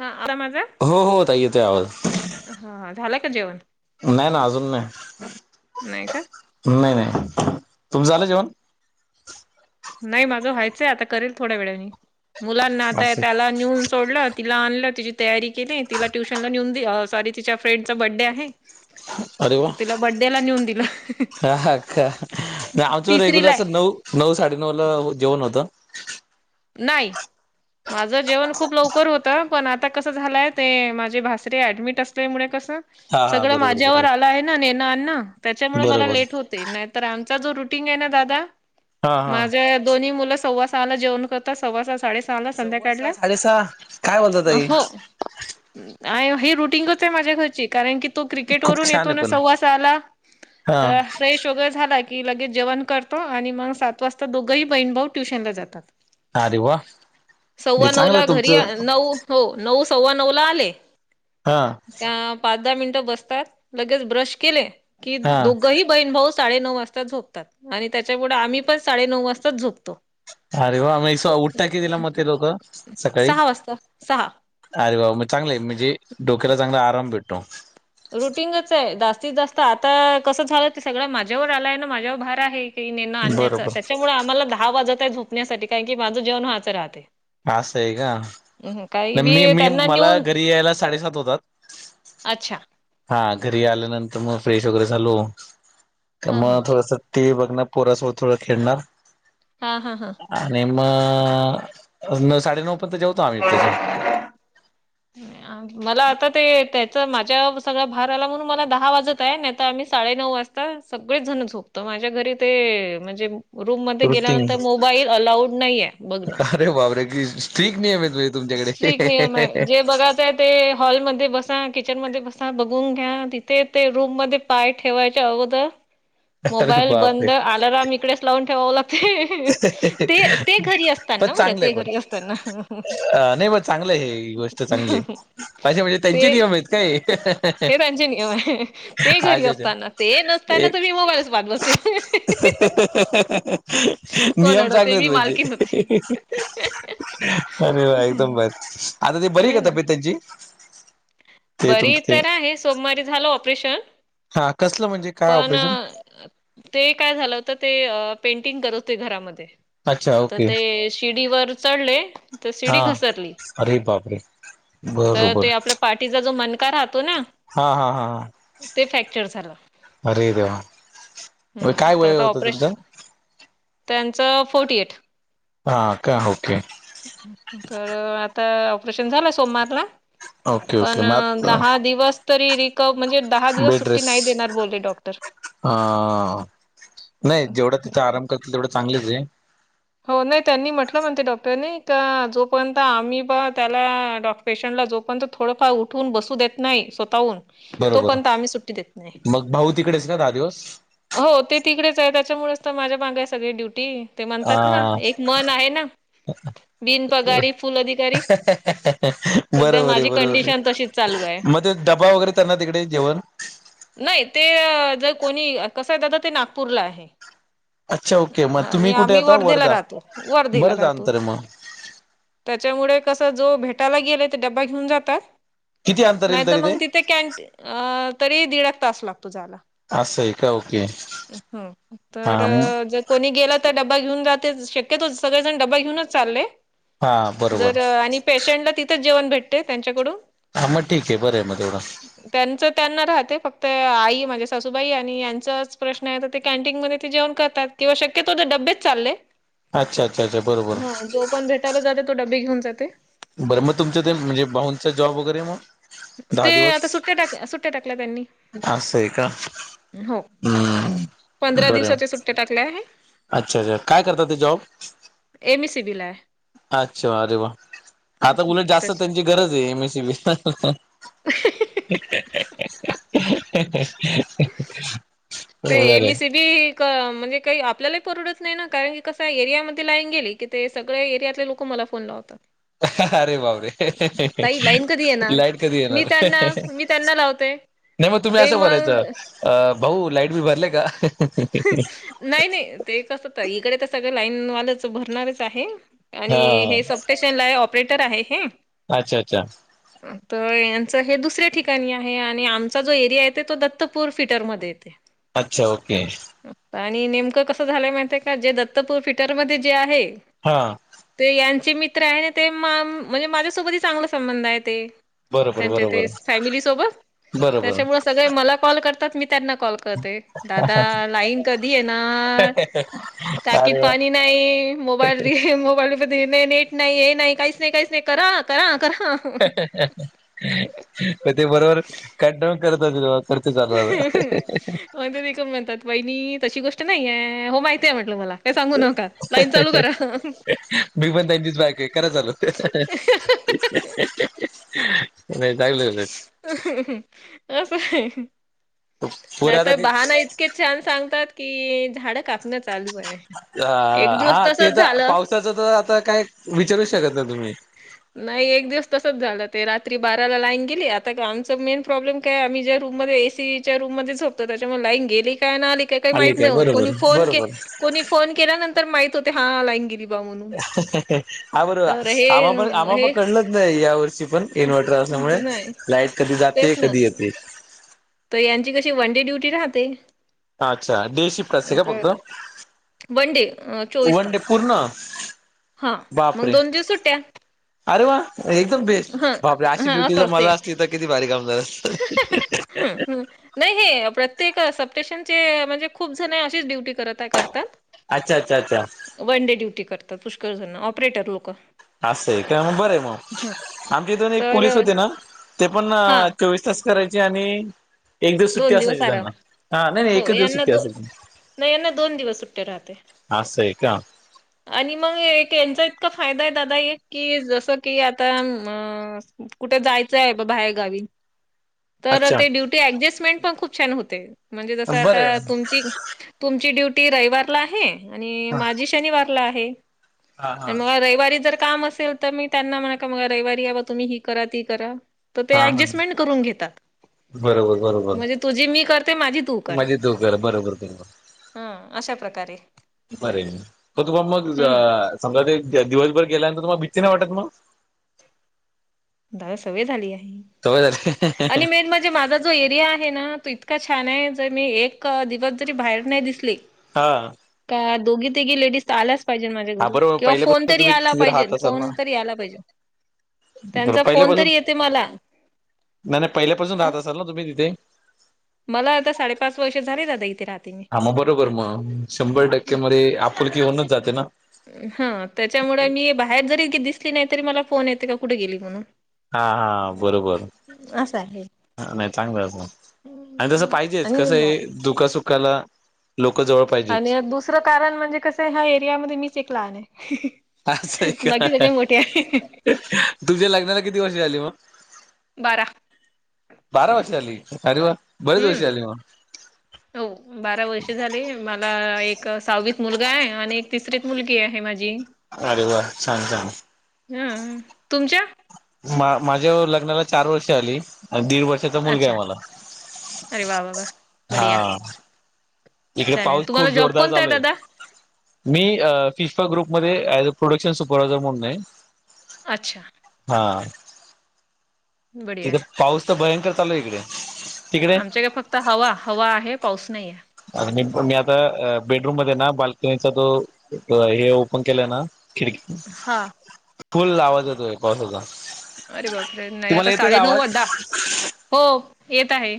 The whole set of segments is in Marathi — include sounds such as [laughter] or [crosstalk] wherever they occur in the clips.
हा, आता माझा हो हो ताई येतोय आवाज. हा, झालं का जेवण? नाही ना अजून नाही नाही का नाही नाही, तुमचं झालं जेवण? नाही माझं व्हायचंय आता करेल थोड्या वेळाने, मुलांना आता असं त्याला नेऊन सोडनार. तिला आणलं तिची तयारी केली, तिला ट्युशनला नेऊन दे सॉरी तिच्या फ्रेंडचा बर्थडे आहे. [unintelligible] अरे वा! तर तिला बड्डेला नेऊन दिलं हा का आमच रेग्युलर तिसरीला असतात ना. आहे नऊ, साडेनऊला जेवण होतं. नाही. माझं जेवण खूप लवकर होतं. पण आता कसं झालंय, ते माझे भासरे ऍडमिट असल्यामुळे कसं हा हा सगळं बरोबर माझ्यावर बरोबर आलं आहे ना नेणं आणंन त्याच्यामुळे मला बरोबर लेट होतं. नाही तर आमचा जो रुटीन आहे ना दादा, हा हा माझे दोन्ही मुलं सव्वासहाला जेवतात. सव्वा सहा साडे सहा ला सव्वा सहा संध्याकाळला, साडेसहा काय बोलता ताई हो! ही रुटीनच आहे माझ्या घरची कारण की, तो क्रिकेट खूप वून छान आहे येतो पण सव्वासहाला, आला हा तर फ्रेश वगैरे झाला. की लगेच जेवण करतो आणि मग सात वाजता दोघंही बहीण भाऊ ट्युशन ला जातात. अरे वा! हे सव्वा नऊ चांगलं ला घरी तुमचं नऊ हो नऊ सव्वा नऊला आले. हा का पाच दहा मिनिटं बसतात लगेच ब्रश केले की हा दोघंही बहीण भाऊ साडे नऊ वाजता, झोपतात आणि त्यांच्यामुळे आम्ही पण साडेनऊवाजता झोपतो. अरे वा! मग [unintelligible] ते दोघे सकाळी‌. सहा वाजता सहा अरे मग चांगलं आहे म्हणजे डोक्याला चांगला आराम भेटतो. रुटींगच आहे जास्तीत जास्त आता कसं झालं ते सगळं माझ्यावर आलंय ना माझ्यावर भार आहे. ती नेन आणण्याच बरोबर त्यांच्यामुळे आम्हाला दहा वाजत आहे झोपण्यासाठी, कारण की माझं जेवण मागे राहते. अस असं आहे हम्म काही का मी मी त्यांना मला नेऊन घरी यायला साडेसात होतात. अच्छा! हा घरी आल्यानंतर मग फ्रेश वगैरे झालो की हा हा मग थोडंस, ते टीव्ही बघने पोरा सोबत खेळणार. हा हा आणि मग म नऊ साडेनऊ पर्यंत जा ह [inaudible] मला आता ते त्याच माझ्या सगळा भार आला म्हणून मला दहा वाजत आहे नाही आता आम्ही साडे नऊ वाजता आता सगळेच जण झोपतो माझ्या घरी ते म्हणजे रूम मध्ये रुटीन गेल्यानंतर मोबाईल अलाऊड नाहीये. बघ ना अरे बापरे स्ट्रीट नियम येत. स्ट्रीक नियम आहे जे बघा ते हॉलमध्ये बसा किचन मध्ये बसा बघून घ्या तिथे ते रूम मध्ये, पाय ठेवायच्या अगोदर अरे मोबाईल बापरे बंद अलार्म इकडेच लावून ठेवावं लागते. ते ते घरी पण असताना बरं चांगलंय ते पण, घरी असताना अ नाही म चांगलं आहे हे गोष्ट. चांगली अ, अच्छा म्हणजे ते त्यांचे नियम आहेत का हे. हे त्यांचे नियम आहे ते घरी अच्छा असताना ते नसताना एक तर मी मोबाईलच वापरते. [unintelligible] कोण नियम अडवते चांगलेत मी पाहिजे मालकीन होते अरे वा एकदम बर, आता ते बरी का आहे ना तब्येत त्यांची? ते बरी तुमचं ते तर आहे सोमवारी झाल ऑपरेशन. हा कसलं म्हणजे काय पण, ऑपरेशन ते काय झालं होतं ते पेंटिंग करत होते घरामध्ये. अच्छा तर ओके ते शिडीवर चढले तर हा शिडी घसरली. बर बर, तिजा जो मनका का राहतो ना, हा हा हा ते फ्रॅक्चर झालं अरे देव, हम्म काय तर वय आता होत त्यांचं? ऑपरेशन त्यांचं फोर्टी ऐट. हा का होके. तर आता ऑपरेशन झालं सोमवारला. हो, पण दहा दिवस तरी रिकव म्हणजे दहा दिवस बेड सुट्टी रेस नाही देणार बोले डॉक्टर, अ जेवढा तिथं आराम करतील तेवढं चांगलंच. हो नाही त्यांनी म्हटलं म्हणते डॉक्टरने का जोपर्यंत आम्ही प त्याला डॉक्, पेशंटला जोपर्यंत थोडंफार उठवून बसू देत नाही स्वतःहून बरोबर तोपर्यंत आम्ही सुट्टी देत नाही. मग भाऊ तिकडेच का दहा दिवस. हो ते तिकडेच आहे त्याच्यामुळेच तर माझ्या मागे आहे सगळी ड्युटी ते हा म्हणतात ना एक म्हण आहे ना, बिनपगारी फुल अधिकारी. सध्या बरोबर आहे माझी बरोबर, कंडिशन तशीच चालू आहे. मगं ते डबा वगैरे त्यांना तिकडे जेवण? नाही ते जर कोणी कसं आहे दादा ते नागपूरला आहे. अच्छा ओके मग तुम्ही आणि कुठे आम्ही आता वर्धेला वर्धा राहतो वर्धेला बरंच राहतो. अंतर आहे मग त्याच्यामुळे कसं जो भेटायला गेलेय ते डबा घेऊन जातात. किती अंतर येईल नाहीत तरी मग ते तिथे कॅनटी अ तरी दीडाएक तास लागतो जायला. असं हाय. हो तर जर, कोणी गेलं तर डबा घेऊन जातो शक्यतो सगळेजन डबबा घेऊनच चालले. हा बरोबर जर आणि पेशंटला तिथंच जेवण भेटते त्यांच्याकडून, हा मग ठीक आहे बरं आहे मग तेवढं. त्यांच त्यांना राहते फक्त आई म्हणजे सासूबाई आणि, च प्रश्न आहे तर ते कॅनटीनमध्ये ते जेवण करतात किंवा शक्यतो डबेच चालले. अच्छा अच्छा अच्छा बरोबर हा जो पण भेटायला जाते तो डबे घेऊन जाते. बरं मग तुमचं ते म्हणजे भाऊंचा जॉब वगैरे मग? दहा ते आता दिवस सुट्ट्या टाकल्या सुट्ट्या टाकल्या त्यांनी, असं आहे का हो, हम्म पंधरा बरं आहे. दिवसाच्या सुट्ट्या टाकल्या आहे. अच्छा अच्छा काय करतात ते जॉब एमी सी बी ला आहे. अच्छा अरे वा आता उलट जास्त त्यांची गरज आहे एम एसी बी. तशी. [unintelligible] ते एम बरे एस [inaudible] ती एक म्हणजे काही आपल्यालाही परवडतचं नाही ना कारण की कस एरियामध्ये लाईन गेली. की ते सगळे एरियातले लोक मला फोन लावतात. अरे बापरे ताई लाईन कधी येणार लाईट कधी मी येणार? त्यांना मी त्यांना लावते नाही मग तुम्ही ते असं बोलायचं मग अ भाऊ लाईट बील भरलय का. नाही नाही ते कसं ताई इकडे तर सगळ लाईनवालंच भरणारच आहे आणि हा हे सफ्टेशन ला ऑपरेटर आहे हे. अच्छा अच्छा तर यांचं हे दुसऱ्या ठिकाणी आहे, आणि आमचा जो एरिया येते तो दत्तपूर फिटरमध्ये येते. अच्छा ओके आणि नेमकं कसं झालंय माहिती का जे दत्तपूर फिटरमध्ये जे आहे हा ते यांचे मित्र आहे ना ते म्हणजे माझ्यासोबतही चांगला संबंध आहे ते बरोबर त्यांच्या ते बरोबर फॅमिली सोबत बरोबर त्याच्यामुळे सगळे मला कॉल करतात, मी त्यांना कॉल करते दादा लाईन कधी येणारं टाकीत अरे वा पाणी नाही मोबाईल बी मोबाईलमध्ये नाही नेट नाही हे नाही काहीच नाही काहीच नाही करा करा करा. म ते बरोबर कंटाळून करत असेल मग, म्ह ते म्हणतात वहिनी तशी गोष्ट नाहीय हो माहिती आहे म्हटल मला. काय सांगू नका. लाईन चालू करा मी पण त्यांचीच बायको आहे करा चालू. नाही चांगलं आहे ना. अस हाय पोर आता नाहीतर काय बहाणा इत के छान सांगतात की झाडं कापणं चालू आहे. अ एक हा दिवस ते तसच तर झालं. पावसाच तर आता काय विचारू शकत नाही तुम्ही. नाही एक दिवस तसच झालं ते रात्री बाराला लाईन गेली आता आमचा मेन प्रॉब्लेम काय आम्ही ज्या रूममध्ये ए सीच्या रूममध्ये झोपतो, त्याच्यामुळे लाईन गेली काय नाही आली का काय आले माहित नाही होत बरोबर कोणी फोन केल्या बरोबर कोणी फोन केल्यानंतर माहीत होते हा लाईन गेली. बा म्हणून [unintelligible] तर हे आमप आमप हे कळलं नाही या वर्षी पण इन्व्हर्टर असल्यामुळे नाही लाईट कधी जाते तेच ना कधी येते. तर यांची कशी वनडे ड्युटी राहते अच्छा डे शिफ्ट असते का फक्त तर वनडे अ चोवीस वन डे तास. पूर्ण हा मग बापरे दोन दिवस सुट्या, अरे वा एकदम बेस्ट बापरे अशी हा ड्युटी असं जर असते मला असती तर किती भारी काम झालं असतं. ह नाही हे प्रत्येक सप्टेशनचे म्हणजे खूप जण अशीच ड्युटी करत करतात. अच्छा अच्छा अच्छा अच्छा वन डे ड्युटी करतात पुष्कळजण ऑपरेटर लोक. अस आहे का मग बरं ह मग आमच्या इथून एक तर पोलीस होते ना ते पण हा चोवीस तास करायचे आणि एक दिवस सुट्टी दोन असायची आराम त्यांना हा नाही नाही हो एकच दिवस यांना सुट्टी दो असायची. नाही यांना दोन दिवस सुट्टे राहते. आ सय का. आणि मग एक यांचा इतका फायदा आहे दादा एक की जसं की आता अ कुठे जायचं आहे बा बाहेर गावी तर अच्छा ते ड्युटी ऍडजस्टमेंट पण खूप छान होते म्हणजे जसं आता बरं आहे तुमची तुमची ड्युटी रविवारला आहे आणि हा माझी शनिवारला आहे, हा हा आणि मग रविवारी जर काम असेल तर मी त्यांना म्हणा रविवारी अबा तुम्ही ही करा ती करा तर ते हा हा ऍडजस्टमेंट करून घेतात. बरोबर बरोबर म्हणजे तुझी मी करते माझी तू कर. माझे चूक झाल्या बरोबर बरोबर. हा, अशा प्रकारे. बरय हो तुम्हाला मग हम्म जा''--'' समजा ते दिवसभर गेल्यायंत तुमला भी्ती नाही वाटत मग. नाय सवय झाली आहे सवय झाली आणि मेन म्हणजे माझा. जो एरिया आहे ना तो इतका छान आहे जर मी एक दिवस जरी बाहेर नाही दिसली. हा, का दोघी तीघी लेडीज आल्याच पाहिजे माझ्या. हा घरी बरोबर किंवा फोन पहिल्यापासून तरी तुम्ही आला तिथे पाहिजे राहत असाल ना फोन तरी आला पाहिजे. तर त्यांचा फोन पहिल्यापासून तरी येते मला. नाही नाही पहिल्यापासूनह रहात असाल ना तुम्ही तिथे. मला आता साडेपाच वर्ष झाले दादा इथे राहते मी. हा, मा बरोबर मग शंभर टक्क्या मध्ये आपुलकी होऊनच. हा, त्याच्यामुळे मी जरी दिसली नाही तरी मला फोन येते का कुठे गेली म्हणून. हा हा, बरोबर. असं आहे. नाही चांगलं बुवा नाही तसं पाहिजे आणि कसे हाय. दुःख सुखाला. लोक जवळ पाहिजे. आणि दुसरं कारण म्हणजे कसं ह्या एरियामध्ये मीच एक लहान आहे. असं आहे बाकी का सगळे मोठे आहे. तुमच्या लग्नाला किती वर्ष झाली मग. बारा. बारा वर्षी झाली अरे वा बरेच हम्म वर्षी झाली मग. हो, बारा वर्ष झाले मला एक सहावीत मुलगा आहे. आणि एक तिसरीत मुलगी आहे माझी. अरे वा छान छान. हा, तुमच्या. मा माझ्या लग्नाला चार वर्ष आली दीड वर्ष. अच्छा आरे वा वा. बढिया हा, इथे छान आहे पाऊस खूप तुम्हाला जॉब जोरदार कोणता चालू आहे. दादा मी फिश्फा ग्रुपमध्ये ऍज अ प्रोडक्शन सुपरवा्हायझर म्हणून आहे. अच्छा. हा, बढिया तिथे आहे. पाऊस तर भयंकर चालू आहे इकडे. तिकडे आमच्याकडे फक्त हवा हवा आहे पाऊस नाहीे. आणि मी मी आता बेडरूम मध्ये ना बाल्कनीचा तो हे ओपन केलं ना. खिडकी हा फुल आवाज येतोय पावसाचा. अरे बापरे नाही तुम्हाला आता येतोय का साडेनऊ आवाज वा द हो येत आहे.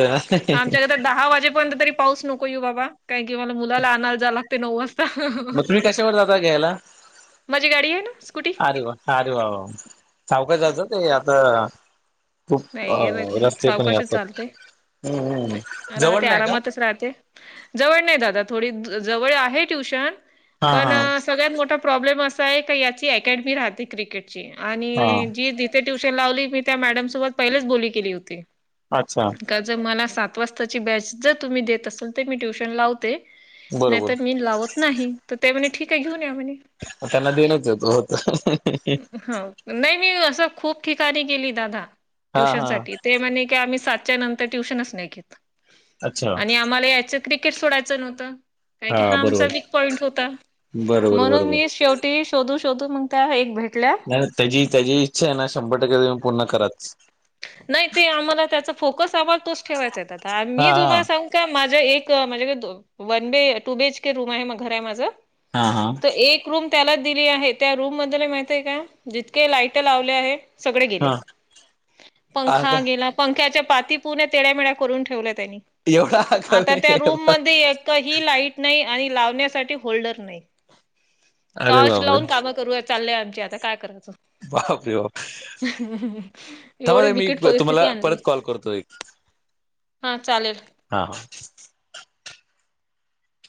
ह आमच्याकडे तर [inaudible] दहा वाजेपर्यंत तरी पाऊस नको येऊ बाबा काय की, मला मुला आणायला जा लागते नऊ वाजता. मग तुम्ही कशावर जाता घ्यायला माझी गाडी आहे ना स्कूटी अरे वा. अरे वा वा सावकाश जायचं ते आता. खूप नाही हे अ नाही रस्ते पण सावकाशच असतात चालते हम्म हम्म, नाही. जवळ राहते नाही का? आरामातच राहते जवळ नाही दादा थोडी जवळ आहे ट्युशन हा पण हा सगळ्यात मोठा प्रॉब्लेम असा आहे का याची अकॅडमी राहती क्रिकेटची आणि हा जी दि''--'' ते ट्यूशन लावली मी त्या मॅडमसोबत पहिलेच बोली केली होती. अच्छा. का जर मला सात वाजताची बॅच जर तुम्ही देत असेल तर मी ट्युशन लावते नाहीत बरोबर मी लावत नाही,, तर ते म्हणे ठीक आहे घेऊन या म्हणे. म त्यांना देनचं होतं हो, नाही नाही असं खुप ठिकाणी गेली दादा, हा ट्युशन हा साठी. ते म्हणे की आम्ही सातच्या नंतर ट्युशनच नाही घेत, अच्छा आणि आम्हाला यायचं क्रिकेट सोडायचं नव्हतं,, कारण की हा आमचा विक पॉईंट होता,, बरोबर म्हणून बरोबर मी शेव टि शोधू शोधू मग त्या एक भेटल्या नाय त्याची त्याची इच्छा आहे ना शंभर टक्के तुम्ही पूर्ण कराच. नाही ते आम्हाला त्याचा फोकस हवा तोच ठेवायचा आहे, आता हा मी हा तुम्हाला सांगु का माझ्या एक म्हणजे वन बे टू बीएच केे रूम आहे घर आहे माझं. हा हा तर एक रूम त्याला दिली आहे, त्या रूम मधले माहिती आहे काय, जितके लाइटं लावले आहे, सगळे गेले. हा आग पंखा गेला पंख्याच्या पाती पुरन तेड्यामेळ्या करून ठेवल्या त्यांनी एवढा आगाऊ आता त्या रूम मध्ये एकही लाईट नाही, आणि लावण्यासाठी होल्डर नाही. अरे टॉर्च बापरे लावून कामं करू चाललेय आमची, आता काय करायचं. बापरे बाप. ! थांबा एवढी ताई मी बिकट परिस्थिती तुम्हाला परत कॉल करतो एक हां चालेल. हा हा.